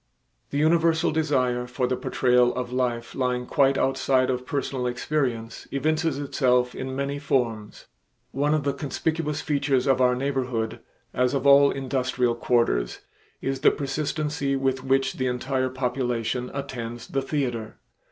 The universal desire for the portrayal of life lying quite outside of personal experience evinces itself in many forms. One of the conspicuous features of our neighborhood, as of all industrial quarters, is the persistency with which the entire population attends the theater.